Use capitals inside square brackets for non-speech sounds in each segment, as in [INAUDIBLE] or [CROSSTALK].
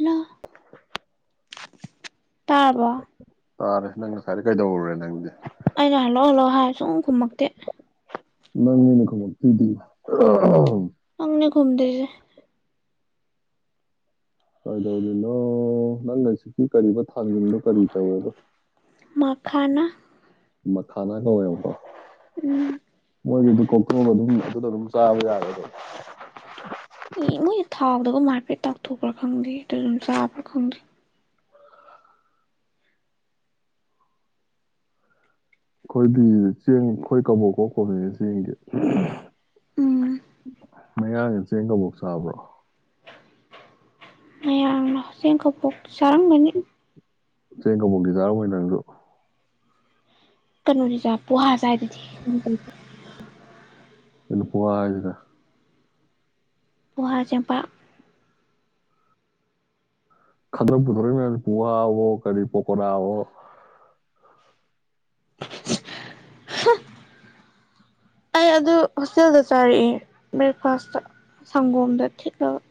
hello [INAUDIBLE] ꯇꯥꯕ ꯇꯥꯔꯦ ꯅꯪ ꯉꯁꯥꯏꯗꯤ ꯀꯩꯗꯧꯔꯨꯔꯦ ꯅꯪꯗꯤ ꯑꯩꯅ ꯍꯜꯂꯛꯑꯣ ꯍꯜꯂꯛꯑꯣ ꯍꯥꯏ ꯁꯨꯝ ꯀꯨꯝꯃꯛꯇꯦ ꯅꯪꯃꯤꯅ ꯈꯣ ꯇꯗꯤ ꯅꯤ ꯀꯨꯝꯗꯁꯦ ꯀꯩꯗꯧꯔꯤꯅꯣ ꯅꯪ ꯉꯁꯤꯛꯀꯤ ꯀꯔꯤꯕ ꯊꯥꯡꯖꯝꯗꯣ ꯀꯔꯤ ꯇꯧꯋꯦꯕ ꯃꯈꯈꯅ ꯃꯈꯥꯟꯅꯥ ꯀꯣꯕ ꯎꯝ ꯃꯣꯏꯒꯤꯗꯨ ꯀꯣꯛꯇꯕ ꯑꯗꯨꯝ ꯑꯗꯨꯗ ꯑꯗꯨꯝ ꯆꯥꯕ ꯌꯥꯔꯦ ꯑꯗꯨ ꯏ ꯃꯣꯏꯁ ꯊꯥꯎꯗꯒ ꯃꯥꯐꯦꯠ ꯇꯥꯛꯊꯣꯛꯄ꯭ꯔꯥ ꯈꯪꯗꯦ ꯑꯗꯨ ꯑꯗꯨꯝ ꯆꯥꯕ꯭ꯔꯥ ꯈꯪꯗꯦ ꯑꯩꯈꯣꯏꯗꯤ ꯆꯦꯡ ꯑꯩꯈꯣꯏ ꯀꯣꯛꯀꯣꯛ ꯀꯣꯅꯦ ꯆꯦꯡꯒꯤ ꯎꯝ ꯃꯌꯥꯡꯒꯤ ꯆꯦꯡ ꯀꯕꯣꯛ ꯆꯥꯕ꯭ꯔꯣ ꯃꯌꯥꯝꯅ ꯍ ꯆꯦꯡ ꯀꯣꯛ ꯆꯔꯥꯡꯒꯅꯤ ꯆ ꯀꯃꯒꯤ ꯆꯥꯔ ꯃꯅꯥꯗꯁꯨ ꯀꯩꯅꯣꯅꯤꯗ ꯄꯣꯍꯥ ꯆꯥꯏ ꯎꯝ ꯎꯝ ꯑꯗꯨꯅ ꯄꯗ ꯄꯍꯥ ꯆꯦꯝꯄꯥꯛ ꯈꯗꯔ ꯄꯨꯊꯔ ꯄꯨꯍꯣ ꯀꯔꯤ ꯄꯣꯀꯣꯗꯥꯣ [UNINTELLIGIBLE] ꯍ ꯑꯩ ꯑꯗꯨ ꯍꯣꯁꯇꯦꯜꯗ ꯆꯥꯔꯛꯑꯦ ꯕ꯭ꯔꯦꯛꯐꯥꯁꯇ ꯁꯪꯒꯣꯝꯗ ꯊꯤꯠꯂꯒ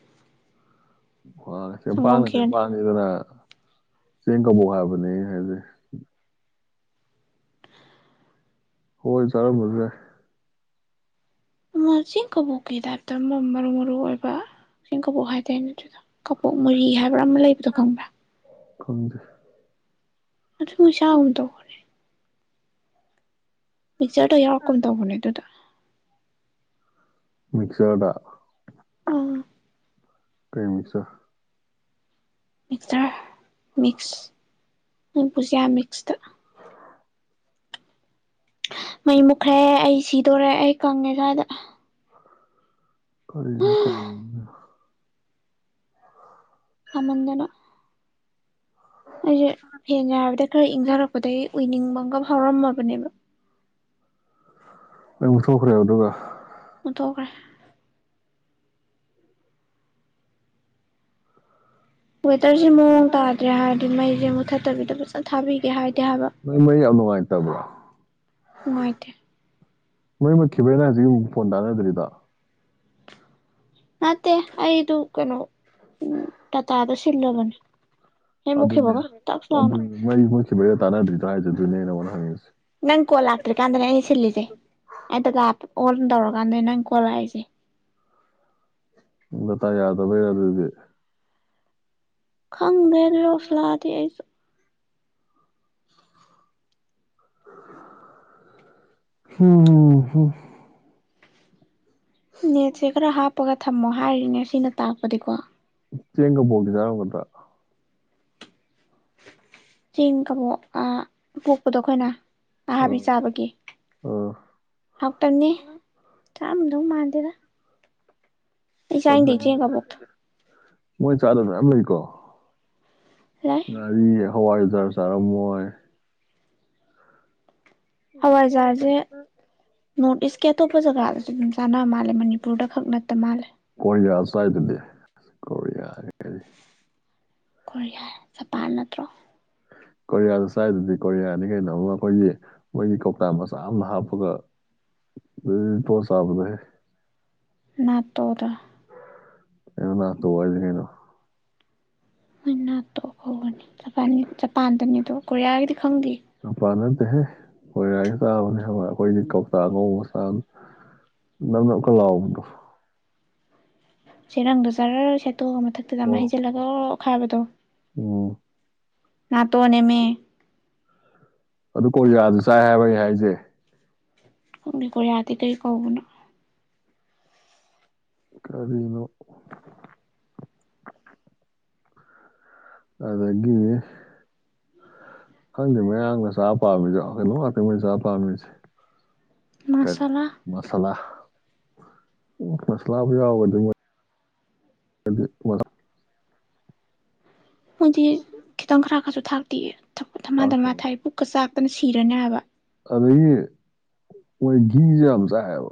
ꯑ ꯁꯪꯒꯣꯝ ꯆꯄꯥꯉ ꯈꯦꯔꯅꯤ ꯆꯄꯥꯅꯤ ꯑꯗꯨꯅ ꯁꯤ ꯀꯕꯨꯣ ꯍꯥꯏꯕꯅꯦ ꯍꯥꯏꯗꯤꯦ ꯍ ꯆꯔꯣ ꯃꯖ ꯆꯤꯡ ꯀꯕꯨꯣꯛ ꯀ ꯇ ꯍꯥꯏꯦꯇ ꯃꯔꯨ ꯃꯔꯨ ꯑꯣꯏꯕ ꯆꯤꯡ ꯀꯕꯨꯣꯛ ꯍꯥꯏꯇꯥꯦꯅꯦ ꯑꯗꯨꯗ ꯀꯄꯣꯛ ꯃꯨꯔꯤ ꯍꯥꯏꯕ꯭ꯔꯥ ꯑꯃ ꯂꯩꯕꯗꯣ ꯈꯪꯕ꯭ꯔꯥ ꯀꯣꯡ꯭ꯔꯦꯁ ꯑ ꯊ ꯃꯣꯏ ꯆ ꯃꯗ ꯄꯤꯛꯆꯔꯗꯣ ꯌꯥꯎꯔꯛꯀꯅ ꯇꯧꯕꯅꯦ ꯑꯗꯨꯗ ꯃꯛꯁꯔꯗꯥ ꯑꯥ ꯀꯩꯃꯤꯁ ꯃꯤꯛꯆꯔ ꯃꯤꯛꯁ ꯎ ꯄꯨꯁꯤꯌꯥ ꯃꯤꯛꯁꯇ ꯃꯩ ꯃꯨꯛꯈ꯭ꯔꯦ ꯑꯩ ꯁꯤꯗꯣꯔꯦ ꯑꯩ ꯀꯪꯉꯦ ꯁ꯭ꯋꯥꯏꯗ ꯀꯔꯅ ꯀꯃ ꯁꯃꯟꯗꯅ ꯑꯩꯁꯦ ꯁꯦꯡꯅ ꯍꯥꯏꯔꯕꯗ ꯈꯔ ꯏꯪꯊꯔꯛꯄꯗꯒꯤ ꯎꯏꯅꯤꯡꯕ ꯑꯃꯒ ꯍꯧꯥꯎꯔꯝꯃꯕꯅꯦꯕ ꯑꯩꯕꯨ ꯁꯣꯛꯈ꯭ꯔꯦꯕ ꯑꯗꯨꯒ ꯇꯈ꯭ꯔꯦ ꯋꯦꯗꯔꯁꯤꯦ ꯃꯑꯣꯡ ꯇꯥꯗ꯭ꯔꯦ ꯍꯥꯏꯔꯗꯤ ꯃꯩꯁꯦ ꯃꯨꯊꯠꯇꯕꯤꯗ ꯐꯖꯅ ꯊꯥꯕꯤꯒꯦ ꯍꯥꯏꯗꯤꯦ ꯍꯥꯏꯕ ꯌꯥꯝꯅꯨꯡꯉꯥꯏꯇꯕꯣ ꯃꯅꯨꯡꯉꯥꯏꯇ ꯃꯩ ꯃꯠꯈꯤꯕ꯭ꯔꯦꯅ ꯍꯧꯖꯤꯛ ꯑꯃꯨꯛ ꯐꯣꯟ ꯇꯥꯟꯅꯗ꯭ꯔꯤꯗ ꯃꯠꯇꯦ ꯑꯩꯗꯨ ꯀꯩꯅꯣ ꯎ ꯇꯇꯥ ꯑꯗꯨ ꯁꯤꯜꯂꯕꯅꯤ ꯑꯗꯨꯅꯦ ꯑꯗꯨꯅꯤ ꯃꯣꯏ ꯃꯣꯏꯁꯦ ꯕꯌꯥ ꯇꯥꯟꯅꯗ꯭ꯔꯤꯗꯣ ꯍꯥꯏꯁ ꯑꯗꯨꯅꯦ ꯑꯩꯅꯉꯣꯟꯗ ꯍꯪꯉꯁꯤ ꯅꯪ ꯀꯣꯜ ꯂꯥꯛꯇ꯭ꯔꯤꯀꯥꯟꯗꯅꯦ ꯑꯩꯩꯅ ꯁꯤꯜꯂꯤꯁꯦ ꯑꯩꯗ ꯂ ꯑꯣ ꯇꯧꯔꯀꯥꯟꯗꯅꯦ ꯅꯪ ꯀꯣꯜ ꯂꯥꯛꯏꯁꯦ ꯦ ꯏ ꯇꯥꯏ ꯌꯥꯗꯕ ꯌꯥꯔꯗꯤ ꯈꯪꯗ꯭ꯔꯦ ꯑꯗꯨ ꯑꯣꯁꯂꯥꯗꯤ ꯑꯩꯁꯨ [UNINTELLIGIBLE] ꯍꯝꯝꯝ ꯅꯦꯠꯁꯦ ꯈꯔ ꯍꯥꯞꯄꯒ ꯊꯝꯃꯣ ꯍꯥꯏꯔꯤꯅꯦ ꯁꯤꯅ ꯇꯥꯛꯄꯗꯤꯀꯣ ꯆꯦꯒ ꯄꯗꯗ ꯆꯦꯡ ꯀꯕꯣꯛ ꯄꯣꯛꯄꯗꯣ ꯑꯩꯈꯣꯏꯅ ꯑꯍꯥꯕꯤ ꯑꯥ ꯆꯥꯕꯒꯤ ꯑꯥ ꯍꯥꯎꯇꯕꯅꯦ ꯆꯥꯝꯗꯧ ꯃꯥꯟꯗꯦꯗ ꯑꯗꯒꯤ ꯄꯁꯥꯗꯦꯊꯑ ꯀꯕꯨꯛ ꯃꯣꯏ ꯆꯥꯗꯕ ꯃꯌꯥꯝ ꯂꯩꯔꯤꯀꯣ ꯂꯩ ꯉꯥꯔꯤ ꯍꯋꯥꯏ ꯑꯖꯥꯔ ꯆꯥꯔꯝꯣꯏ ꯍꯋꯥꯏꯖꯍꯥꯥꯁꯦ ꯅꯣꯔꯠ ꯏꯁꯀꯤ ꯑꯇꯣꯞꯄ ꯖꯒꯥꯗꯁꯨ ꯑꯗꯨꯝ ꯆꯥꯅꯕ ꯃꯥꯜꯂꯦ ꯃꯅꯤꯄꯨꯔꯗ ꯈꯛ ꯅꯠꯇ ꯃꯥꯜꯂꯦ ꯆꯥꯏꯗꯗꯤꯦ ꯀ ꯀꯣꯔꯤꯌꯥ ꯖꯄꯥꯟ ꯅꯠꯇ꯭ꯔꯣ ꯀꯣꯔꯤꯌꯥꯗ ꯆꯥꯏꯗꯨꯗꯤ ꯀꯣꯔꯤꯌꯥꯅꯤ ꯀꯩꯅꯣꯝ ꯑꯩꯈꯣꯏꯒꯤ ꯃꯣꯏꯒꯤ ꯀꯧꯇꯥ ꯃꯆꯥ ꯑꯃ ꯍꯥꯞꯄꯒ ꯑ ꯇ ꯁꯥꯕꯅꯦ ꯅꯠꯇꯦꯕ ꯩꯅ ꯅ ꯇꯧ ꯋꯥꯔꯗꯤꯩꯅꯣ ꯠꯇꯣꯅꯤꯖ ꯖꯄꯥꯟꯗꯅꯤꯗꯣ ꯀꯣꯔꯤꯌꯥꯒꯤꯗꯤ ꯈꯪꯗꯦ ꯅꯨꯄꯥ ꯅꯠꯇꯦꯍꯦ ꯍꯣꯏꯔꯥꯒ ꯆꯥꯕꯅꯦ ꯍꯥꯏꯕ ꯑꯩꯈꯣꯏꯗꯤ ꯀꯧꯇꯥ ꯉ ꯃꯆꯥ ꯅꯅ ꯑꯣꯀ ꯂꯥꯎꯑꯣꯗ ꯁꯦꯔꯪꯗ ꯖꯥꯔ ꯁꯦꯠꯇꯣꯛꯑꯒ ꯃꯊꯛꯇꯗ ꯑꯃ ꯑꯣ ꯍꯩꯖꯤꯜꯂꯒ ꯑꯣꯈꯥꯕꯗꯣ ꯎꯝ ꯅꯥꯇꯣꯟ ꯅꯃꯦ ꯑꯗꯨ ꯀꯣꯔꯤꯥꯗꯨ ꯆꯥꯏ ꯍꯥꯏꯕ ꯑꯩ ꯍꯥꯏꯁꯦ ꯀ ꯀ ꯑꯗꯤ ꯀꯔꯤ ꯀꯕꯨꯅ ꯀꯔꯤꯅꯣ ꯑꯗꯨꯗꯒꯤꯦ ꯈꯪꯗꯦ ꯃꯌꯥꯝꯡꯅ ꯆꯥ ꯄꯥꯝꯃꯤꯗꯣ ꯀꯩꯅꯣꯝ ꯉꯥꯛꯇ ꯃꯣꯏꯅ ꯆꯥ ꯄꯥꯝꯃꯤꯁꯦ ꯀꯔꯤ ꯃꯁꯥꯂꯥ ꯃꯁꯂꯥ ꯃꯁꯂꯥꯕꯨ ꯌꯥꯎꯒ ꯑꯗꯨ ꯑꯗꯨꯗꯤ ꯋꯥ ꯍꯧꯖꯤ ꯈꯤꯇꯪ ꯈꯔ ꯈꯔꯁꯨ ꯊꯥꯛꯇꯤꯑ ꯊꯝꯃꯥꯙꯝꯃꯥ ꯊꯥꯏ ꯄꯥꯛꯇꯕꯅꯤ ꯄꯨꯛꯀ ꯆꯥꯛꯇꯅ ꯁꯤꯔꯅꯦ ꯍꯥꯏꯕ ꯑꯗꯒꯤ ꯃꯣꯏ ꯤꯖꯝ ꯆꯍꯦꯕ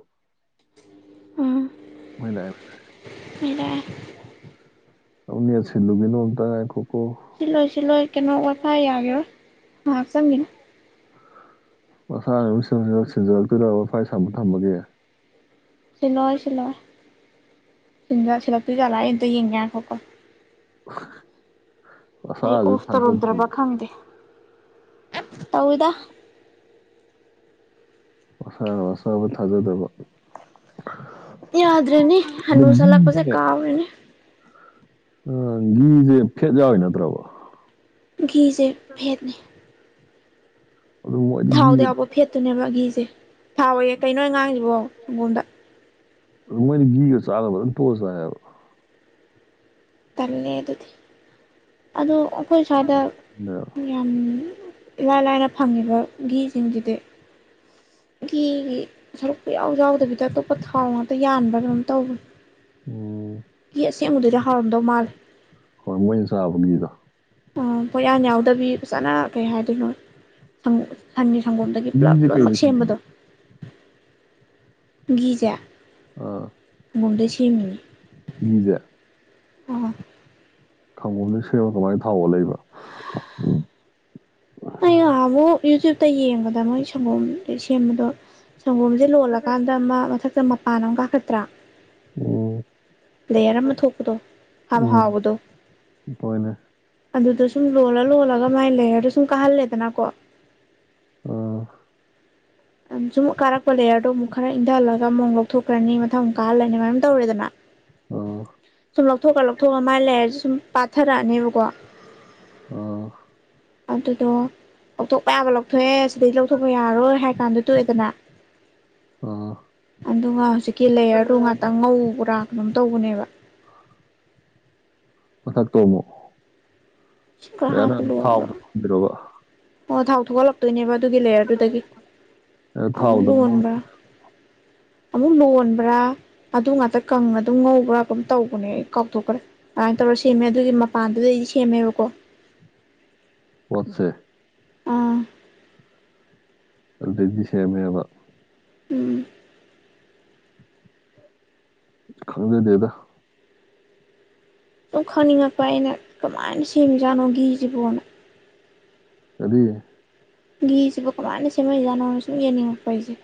ꯎꯝ ꯃꯣꯏꯗ ꯃꯗꯥ ꯅꯤ ꯁꯤꯂ ꯀ ꯇꯥꯏ ꯈ ꯁꯤꯂꯣꯏ ꯁꯤꯂꯣꯏ ꯀꯩꯅꯣ ꯋꯥꯠꯐꯥ ꯌꯥꯒꯦꯔꯣꯏ ꯉꯥꯏꯍꯥꯛ ꯆꯪꯒꯅ ꯃꯁꯥꯅꯁꯤꯡ ꯁꯤꯟꯖꯔꯛꯇꯣꯏꯗꯒ ꯃ ꯐꯥꯏ ꯁꯕ ꯊꯝꯃꯒꯦ ꯁꯤꯜꯂꯣꯏ ꯁꯤꯜꯂꯣꯏ ꯁꯤ ꯁꯤꯜꯂꯛꯇꯣꯏꯖꯥꯠꯂ ꯑꯇ ꯌꯦꯡꯉꯦꯈꯣꯀꯣ [UNINTELLIGIBLE] [INAUDIBLE] ꯑꯩ ꯑꯣꯐ ꯇꯧꯔꯝꯗ꯭ꯔꯕ ꯊꯥꯖꯗꯦꯌꯦ ꯈꯪꯗꯦ ꯇꯧꯏꯤꯗ ꯃꯁꯥ ꯑꯁꯥꯕ ꯊꯥꯖꯗꯕ ꯌꯥꯗ꯭ꯔꯦꯅꯦ ꯑꯗ ꯍꯅꯨꯁꯂ ꯀꯁꯦ ꯀꯥ ꯑꯣꯏꯦꯅꯦ ꯑ ꯒꯤꯘꯁꯦ ꯐꯦꯠ ꯌꯥꯎꯋꯤ ꯅꯠꯇ꯭ꯔꯕ ꯘꯤꯁꯦ ꯐꯦꯠꯅꯤ ꯑꯗꯨ ꯃꯣꯏꯗꯤ ꯊꯥꯎꯗ ꯘꯤꯒ ꯌꯥꯎꯕ ꯐꯦꯠꯇꯨꯅꯦꯕ ꯑꯘꯁꯦ ꯊꯥꯎ ꯑꯣꯏꯌꯦꯦ ꯀꯩꯅꯣ ꯉꯥꯡꯁꯤꯕꯣ ꯁꯪꯒꯣꯝꯗ ꯃꯣꯏꯅ ꯒꯤꯣ ꯆꯥꯂꯣꯕ ꯇꯣꯁ ꯍꯥꯏꯦꯕ ꯇꯜꯂꯦ ꯑꯗꯨꯗꯤ ꯑꯣ ꯑꯩꯈꯣꯏ ꯏꯁ꯭ꯋꯥꯏꯗ ꯍꯥꯏꯕ ꯌꯥꯝ ꯏꯂꯥꯏ ꯂꯥꯏꯅ ꯐꯪꯉꯤꯕ ꯒꯤꯘꯁꯤꯡꯁꯤꯗꯤ ꯒꯤ ꯁꯔꯨꯛꯄ ꯌꯥꯎ ꯌꯥꯎꯗꯕꯤꯗ ꯑꯇꯣꯞꯄ ꯊꯥꯎ ꯉꯥꯛꯇ ꯌꯥꯟꯕ ꯑꯗꯨꯝ ꯇꯧꯕꯅꯤ ꯎꯝ ꯌꯦꯠꯁ ꯎꯗꯅ ꯍꯥꯎꯔꯝꯗꯧ ꯃꯥꯜ ꯍꯃ ꯏꯟꯁꯥꯐꯒꯤꯗ ꯑ ꯄꯣꯌꯥꯟ ꯌꯥꯎꯗꯕꯤ ꯐꯖꯅ ꯀꯩ ꯍꯥꯏꯗꯣꯏꯅꯣꯪꯉꯁꯤ ꯁꯪꯒꯣꯝꯗꯒꯤ ꯄꯨꯂꯞ ꯘꯤꯁꯦ ꯀꯩꯗ ꯂꯣꯏꯅꯃꯛ ꯁꯦꯝꯕꯗꯣ ꯁꯨꯝꯕꯅꯣ ꯒꯤ ꯒꯤꯖꯥꯛ ꯑꯥ [UNINTELLIGIBLE] [INAUDIBLE] ꯃꯣꯟꯗꯁꯤ ꯃꯤ ꯖ [INAUDIBLE] ꯑ [INAUDIBLE] ꯈꯥꯡꯒꯣꯝꯗ ꯁꯕꯣ ꯀꯃꯥꯏꯅ ꯊꯥꯎꯑꯣ ꯂꯩꯕ꯭ꯔ ꯎꯝ ꯑ ꯉꯍ ꯑꯃꯨꯛ ꯌꯨꯇ꯭ꯌꯨꯕꯇ ꯌꯦꯡꯕꯗ ꯃꯣꯏ ꯁꯪꯒꯣꯝ ꯁꯦꯝꯕꯗꯣ ꯁꯪꯒꯣꯝꯁꯦ ꯂꯣꯜꯂꯀꯥꯟꯗ ꯑꯃ ꯃꯊꯛꯇ ꯃꯄꯥꯟ ꯑꯃ ꯀꯥꯈꯠꯇ꯭ꯔꯥ ꯑꯣ ꯂꯦꯌꯔ ꯑꯃ ꯊꯣꯛꯄꯗꯣ ꯍꯝ ꯎꯝ ꯍꯥꯎꯕꯗꯣ ꯍꯣꯏꯅꯦ ꯑꯗꯨꯗ ꯁꯨꯝ ꯂꯣꯜꯂ ꯂꯣꯜꯂꯒ ꯑꯗꯨ ꯃꯃꯥꯏꯅ ꯂꯩꯗ ꯁꯨꯝ ꯀꯥꯍꯜꯂꯦꯗꯅꯀꯣ ꯑ ꯁꯨꯝ ꯀꯥꯔꯛꯄ ꯂꯦꯌꯔꯗꯣ ꯑꯃꯨꯛ ꯈꯔ ꯏꯟꯊꯍꯜꯂꯒ ꯑꯃꯨꯛ ꯂꯧꯊꯣꯛꯈ꯭ꯔꯅꯤ ꯃꯊꯪ ꯀꯥꯜꯂꯅꯤ ꯃꯌꯥꯝ ꯇꯧꯔꯦꯗꯅ ꯑꯣ ꯁꯨꯝ ꯂꯧꯊꯣꯛꯑ ꯂꯧꯊꯣꯛꯑꯒ ꯃꯥꯥꯏ ꯂꯩꯔꯁꯨ ꯁꯨꯝ ꯄꯥꯊꯔꯛꯑꯅꯦꯕꯀꯣ ꯑꯥ ꯑꯗꯨꯗꯣ ꯂꯧꯊꯣꯛꯄ ꯌꯥꯕ ꯂꯧꯊꯣꯛꯑꯦ ꯁꯤꯗꯒꯤꯗꯤ ꯂꯧꯊꯣꯛꯄ ꯌꯥꯔꯣꯏ ꯍꯥꯏ ꯀꯥꯟꯗ ꯇꯣꯛꯑꯦꯗꯅ ꯑ ꯑꯗꯨꯒ ꯍꯧꯖꯤꯛ ꯀꯤ ꯂꯦꯌꯔꯗꯨ ꯉꯥꯛꯇꯪ ꯉꯧꯕ꯭ꯔꯥ ꯀꯩꯅꯝ ꯇꯧꯕꯅꯦꯕ ꯃꯊꯛꯇꯣ ꯑꯃꯨꯛ ꯏꯁꯤꯡ ꯈꯔ ꯑꯩ ꯑꯅ ꯍꯥꯞꯄ ꯂꯣꯟꯕ꯭ꯔꯥ ꯊꯥꯎꯗ ꯈꯪꯕꯤꯔꯕ ꯑꯣ ꯊꯥꯎ ꯊꯣꯛꯍꯠꯂꯛꯇꯣꯏꯅꯦꯕ ꯑꯗꯨꯒꯤ ꯂꯩꯔ ꯑꯗꯨꯗꯒꯤ ꯑꯃꯨꯛ ꯊꯥꯎꯗ ꯉꯧ ꯂꯨꯣꯟꯕ꯭ꯔꯥ ꯎꯝ ꯑꯃꯨꯛ ꯂꯣꯟꯕ꯭ꯔꯥ ꯑꯗꯨ ꯉꯥꯛꯇ ꯀꯪꯅ ꯑꯗꯨꯝ ꯉꯧꯕ꯭ꯔꯥ ꯀꯝ ꯇꯧꯕꯅꯦ ꯑꯩ ꯀꯥꯎꯊꯣꯛꯈ꯭ꯔꯦ ꯑꯗꯨꯃꯥꯏꯅ ꯇꯧ ꯁꯦꯝꯃꯦ ꯑꯗꯨꯒꯤ ꯃꯄꯥꯟꯗꯨꯗꯩꯗꯤ ꯁꯦꯝꯃꯦꯕꯀꯣ ꯍꯠꯁꯦ ꯑꯥ ꯑꯗꯨꯗꯤꯁꯦꯃꯦꯕ ꯎꯝ ꯈꯪꯗꯦ ꯗꯗ ꯑꯗꯨꯝ ꯈꯪꯅꯤꯡꯉꯛꯄ ꯑꯩꯅ ꯀꯃꯥꯏꯅ ꯁꯦꯝꯃꯤꯖꯥꯠꯅꯣ ꯘ ꯒꯤꯁꯤꯕꯣꯅ ꯑꯗꯨꯗꯤ ꯒꯤꯘꯤꯁꯤꯕꯨ ꯀꯃꯥꯏꯅ ꯁꯦꯝꯃ ꯍꯖꯥꯠꯅꯣꯅ ꯁꯨꯝ ꯌꯦꯡꯅꯤꯡꯉꯛꯄ ꯑꯩꯁꯦ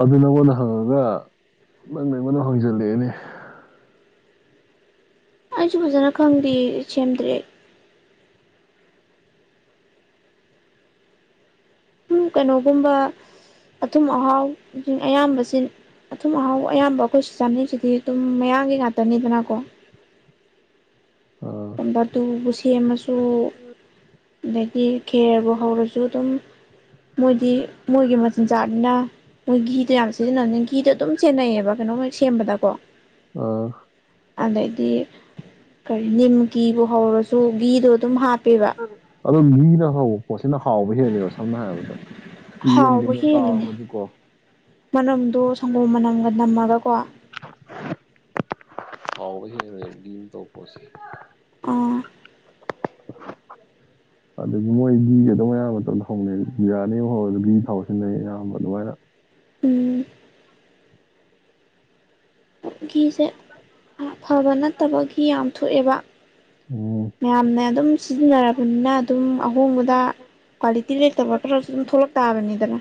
ꯑꯗꯨ ꯅꯪꯉꯣꯟꯗ ꯍꯪꯉꯒ ꯅꯪꯅ ꯑꯩꯉꯣꯟꯗ ꯍꯪꯖꯤꯜꯂꯛꯑꯦꯅꯦ ꯑꯩꯁꯨ ꯐꯖꯅ ꯈꯪꯗꯦ ꯁꯦꯝꯗ꯭ꯔꯦ ꯀꯩꯅꯣꯒꯨꯝꯕ ꯑꯊꯨꯝ ꯑꯍꯥꯎ ꯑꯌꯥꯝꯕꯁꯤ ꯑꯊꯨꯝ ꯑꯍꯥꯎ ꯑꯌꯥꯝꯕ ꯑꯩꯈꯣꯏ ꯁꯤ ꯆꯥꯅꯤꯡꯁꯤꯗꯤ ꯑꯗꯨꯝ ꯃꯌꯥꯡꯒꯤ ꯉꯥꯛꯇꯅꯤꯗꯅꯀꯣ ꯑꯥ ꯝꯕ ꯇꯨꯕꯨ ꯁꯦꯝꯃꯁꯨ ꯑꯗꯩꯗꯤ ꯈꯦꯔꯕꯨ ꯍꯧꯔꯁꯨ ꯑꯗꯨꯝ ꯃꯣꯏꯗꯤ ꯃꯣꯏꯒꯤ ꯃꯆꯤꯟꯖꯥꯛꯅꯤꯅ ꯃꯣꯏ ꯘꯤꯗꯣ ꯌꯥꯝ ꯁꯤꯖꯤꯟꯅꯕꯅꯤ ꯘꯤꯗꯣ ꯑꯗꯨꯝ ꯁꯦꯟꯅꯩꯌꯦꯕ ꯀꯩꯅꯣꯣꯏ ꯁꯦꯝꯕꯗꯀꯣ ꯑꯥ ꯑꯗꯩꯗꯤ ꯀꯔꯤ ꯅꯤꯝꯀꯤꯤꯕꯨ ꯍꯧꯔꯁꯨ ꯘꯤꯗꯨꯣ ꯑꯗꯨꯝ ꯍꯥꯞꯄꯦꯕ ꯑꯗꯨꯣ ꯂꯤꯅ ꯍꯕ ꯄꯣꯠ ꯁꯤꯅ ꯍꯥꯎꯕ ꯍꯦꯜꯂꯦꯕ ꯁꯝꯅ ꯍꯥꯏꯔꯕꯗ ꯍꯥꯎꯕ ꯌꯦꯟꯒꯨꯝꯅꯣ ꯍꯦꯜꯂꯤꯅꯦ ꯇꯥꯎꯔꯒꯁꯨ ꯀꯣ ꯃꯅꯝꯗꯣ ꯁꯪꯒꯣꯝ ꯃꯅꯝꯒ ꯅꯝꯃꯒꯀꯣ ꯍ ꯍꯟ ꯇꯣ ꯀꯁꯤ ꯑꯣ [INAUDIBLE] ꯑꯗꯨꯗꯒꯤ ꯃꯣꯏ ꯘ ꯑꯗꯨꯝ ꯑꯌꯥꯝꯕ ꯃꯇꯝꯗ ꯍꯧꯅꯩ ꯕꯤꯔꯌꯥꯅꯤ ꯑꯃ ꯍꯧꯔꯒ ꯘꯤ ꯊꯥꯎ ꯁꯤꯖꯤꯟꯅꯩ ꯑꯌꯥꯝꯕ ꯑꯗꯨꯃꯥꯏꯅ ꯎꯝ ꯘꯤꯁꯦ ꯐꯕ ꯅꯠꯇꯕ ꯘꯤ ꯌꯥꯝ ꯊꯣꯛꯑꯦꯕ ꯎꯝ ꯃꯌꯥꯝꯅ ꯑꯗꯨꯝ ꯁꯤꯖꯤꯟꯅꯔꯕꯅꯤꯅ ꯑꯗꯨꯝ ꯑꯍꯣꯡꯕꯗ ꯀ꯭ꯋꯥꯂꯤꯇꯤ ꯂꯩꯇꯕ ꯈꯔꯁꯨ ꯑꯗꯨꯝ ꯊꯣꯛꯂꯛ ꯇꯥꯕꯅꯤꯗꯅ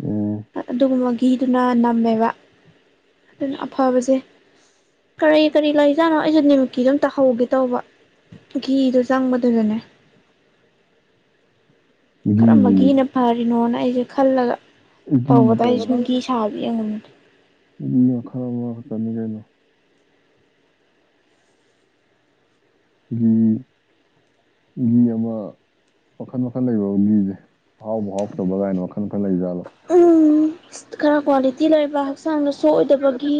ꯎꯝ ꯑꯗꯨꯒꯨꯝꯕ ꯘꯗꯨꯅ ꯅꯝꯃꯦꯕ ꯑꯗꯨꯅ ꯑꯐꯕꯁꯦ ꯀꯔꯤ ꯀꯔꯤ ꯂꯩꯖꯥꯠꯅꯣ ꯑꯩꯁꯨ ꯅꯤꯃꯤꯠꯀꯤꯗꯨ ꯑꯝ ꯇꯥꯍꯧꯒꯦ ꯇꯧꯕ ꯘꯤꯗꯣ ꯆꯪꯕꯗꯨꯗꯅꯦ ꯘꯤꯕꯨ ꯀꯔꯝꯕꯒꯤꯅ ꯐꯔꯤꯅꯣꯅ ꯑꯩꯁꯦ ꯈꯜꯂꯒ ꯘꯤ ꯇꯧꯕꯗ ꯁꯨꯝꯒꯤ ꯁꯥꯕꯤꯉ ꯈꯔ ꯃ ꯇꯅꯤ ꯀꯩꯅꯣ ꯒꯤ ꯒꯤ ꯑꯃ ꯋꯥꯜ ꯃꯈꯜ ꯂꯩꯕꯒꯤꯁꯦ ꯑꯍꯥꯎꯕ ꯍꯥꯎ ꯇꯕ ꯀꯥꯏꯅꯣ ꯋꯥꯈꯜ ꯃꯈꯜ ꯂꯩꯖꯠ ꯎꯝ ꯈꯔ ꯀ꯭ꯋꯥꯂꯤꯇꯤ ꯂꯩꯕ ꯍꯛꯆꯥꯡꯗ ꯁꯣꯛꯑꯣꯏꯗꯕꯒꯤ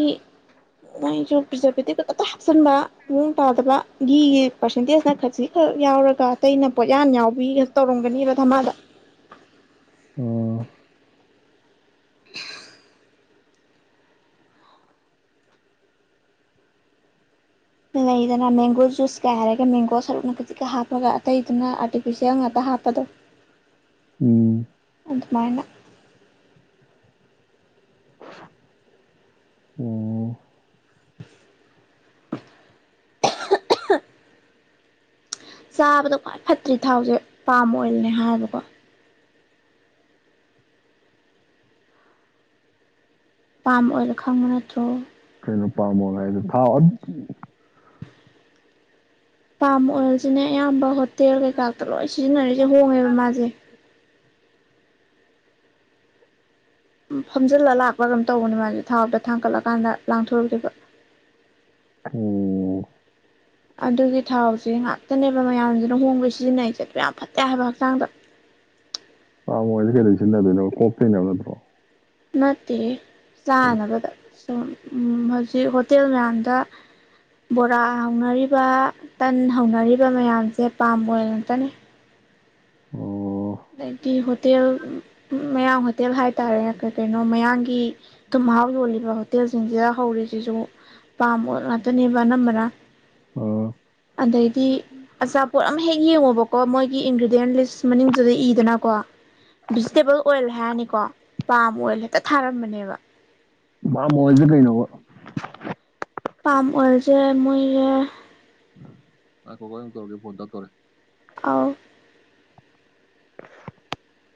ꯃꯥꯏꯁꯨ ꯄ꯭ꯔꯤꯖꯥꯔꯕꯦꯇꯤꯞꯇ ꯍꯥꯞꯆꯤꯟꯕ ꯃꯑꯣꯡ ꯇꯥꯗꯕ ꯒꯤꯒꯤ ꯄꯥꯔꯁꯦꯟꯇꯦꯖꯅ ꯈꯖꯤ ꯈꯔ ꯌꯥꯎꯔꯒ ꯑꯇꯩꯩꯅ ꯄꯣꯠꯌꯥꯟ ꯌꯥꯎꯕꯤꯒ ꯇꯧꯔꯝꯒꯅꯦꯕ ꯊꯃꯗ ꯑꯣ [INAUDIBLE] ꯂꯩꯗꯅ ꯃꯦꯡꯒꯣ ꯖꯨꯁ ꯀꯥꯏ ꯍꯥꯏꯔꯒ ꯃꯦꯡꯒꯣ ꯁꯔꯨꯛꯅ ꯀꯖꯤꯛꯀ ꯍꯥꯞꯄꯒ ꯑꯇꯩ ꯑꯗꯨꯅ ꯑꯥꯔꯇꯤꯐꯤꯁꯦꯜ ꯉꯥꯛꯇ ꯍꯥꯞꯄꯗꯣ ꯎꯝ ꯑꯗꯨ ꯃꯥꯅ ꯑꯣ ꯆꯥꯕꯗ ꯈ꯭ꯋꯥꯏ ꯐꯠꯇ꯭ꯔꯤ ꯊꯥꯎꯁꯦ ꯄꯥꯝ ꯑꯣꯏꯜꯅꯦ ꯍꯥꯏꯕꯀꯣ ꯄꯄꯥꯥꯝ ꯑꯣꯏꯔꯣ ꯈꯪꯕ ꯅꯠꯇ꯭ꯔꯣ ꯩꯅ ꯄꯥꯝꯃꯣ ꯍꯥꯏꯗ ꯊꯥꯎꯑꯣ ꯄꯥꯝ ꯑꯣ ꯑꯣꯏꯜꯁꯤꯅꯦ ꯑꯌꯥꯝꯕ ꯍꯣꯇꯦꯜ ꯀꯩꯀꯥꯛꯇ ꯂꯣꯏ ꯁꯤꯖꯤꯟꯅꯔꯤꯁꯦ ꯍꯣꯡꯉꯦꯕ ꯃꯥꯁꯦ ꯐꯝꯖꯤꯜꯂꯒ ꯂꯥꯛꯄ꯭ꯔꯥ ꯀꯝ ꯇꯧꯕꯅꯤ ꯃꯥꯁꯦ ꯊꯥꯛꯇ ꯊꯥꯡꯀꯠꯂꯀꯥꯟꯗ ꯂꯥꯡꯊꯣꯔꯛꯈꯤꯕ ꯑꯣꯝ ꯑꯗꯨꯒꯤ ꯊꯥꯎꯁꯦ ꯉꯥꯛꯇꯅꯦꯕ ꯃꯌꯥꯝ ꯂꯨꯍꯣꯡꯕꯩ ꯁꯤꯖꯤꯟꯅꯩꯁꯦ ꯑꯗꯨ ꯌꯥꯝ ꯐꯠꯇꯦ ꯍꯥꯏꯕ ꯍꯛꯆꯥꯡꯗ ꯑ ꯃꯣꯏ ꯀꯦꯔꯤ ꯆ ꯑꯗꯨꯅ ꯀꯄꯩꯅ ꯅꯠꯇ꯭ꯔꯣ ꯃꯦ ꯀꯔꯤ ꯁꯅꯅꯕꯗ ꯍꯧꯖꯤꯛ ꯍꯣꯇꯦꯜ ꯃꯌꯥꯝꯗ ꯕꯣꯔꯥ ꯍꯧꯅꯔꯤꯕ ꯇꯟ ꯍꯧꯅꯔꯤꯕ ꯃꯌꯥꯝꯁꯦ ꯄꯥꯝꯕ ꯑꯣꯏꯅ ꯉꯥꯛꯇꯅꯤ ꯑꯣ ꯑꯗꯩꯗꯤ ꯍꯣꯇꯦꯜ ꯃꯌꯥꯡ ꯍꯣꯇꯦꯜ ꯍꯥꯏꯇꯥꯔꯦ ꯀ ꯀꯩꯅꯣ ꯃꯌꯥꯡꯒꯤ ꯃꯍꯥꯛ ꯌꯣꯜꯂꯤꯕ ꯍꯣꯇꯦꯜꯁꯤꯡꯁꯤꯗ ꯍꯧꯔꯤꯁꯤꯁꯨ ꯄꯥꯝꯕ ꯉꯥꯛꯇꯅꯦꯕ ꯑꯅꯝꯕꯅ ꯑꯥ ꯑꯗꯩꯗꯤ ꯑꯆꯥꯄꯣꯠ ꯑꯃ ꯍꯦꯛ ꯌꯦꯡꯉꯣꯕꯀꯣ ꯃꯣꯏꯒꯤ ꯏꯟꯒ꯭ꯔꯤꯗꯤꯌꯦꯟ ꯂꯤꯁ ꯑ ꯃꯅꯤꯡꯗꯨꯗ ꯏꯗꯅꯀꯣ ꯚꯤꯖꯤꯇꯦꯕꯜ ꯑꯣꯏꯜ ꯍꯥꯏꯔꯅꯤ ꯀꯣ ꯄꯥꯝ ꯑꯣꯏꯜ ꯍꯦꯛꯇ ꯊꯥꯔꯝꯕꯅꯦꯕ ꯃꯥ ꯃꯖ ꯀꯩꯅ ꯄꯥꯝ ꯑꯣꯏꯔꯁꯦ ꯃꯣꯏꯔꯦ ꯑ ꯀꯣꯀ ꯇꯧꯔꯒꯦ ꯚꯣꯔꯗ ꯇꯧꯔꯦ ꯑꯥꯎ [INAUDIBLE]